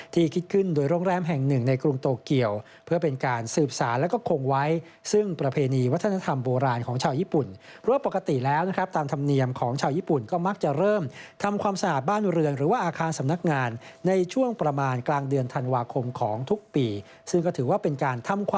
คิดขึ้นโดยโรงแรมแห่งหนึ่งในกรุงโตเกียวเพื่อเป็นการสืบสารและก็คงไว้ซึ่งประเพณีวัฒนธรรมโบราณของชาวญี่ปุ่นเพราะปกติแล้วนะครับตามธรรมเนียมของชาวญี่ปุ่นก็มักจะเริ่มทำความสะอาดบ้านเรือนหรือว่าอาคารสำนักงานในช่วงประมาณกลางเดือนธันวาคมของทุกปีซึ่งก็ถือว่าเป็นการทำค